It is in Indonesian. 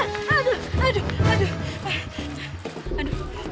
aduh aduh aduh